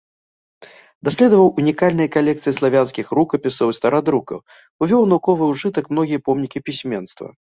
Даследаваў унікальныя калекцыі славянскіх рукапісаў і старадрукаў, увёў у навуковы ўжытак многія помнікі пісьменства.